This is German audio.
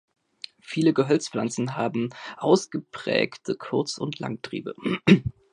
Viele Gehölzpflanzen haben ausgeprägte Kurz- und Langtriebe.